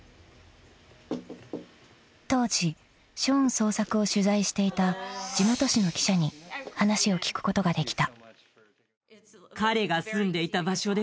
［当時ショーン捜索を取材していた地元紙の記者に話を聞くことができた］